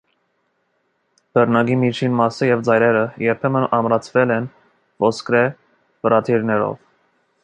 Բռնակի միջին մասը և ծայրերը երբեմն ամրացվել են ոսկրե վրադիրներով։